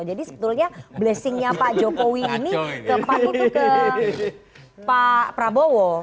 jadi sebetulnya blessingnya pak jokowi ini ke pak prutu ke pak prabowo